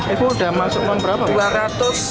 itu sudah masuk uang berapa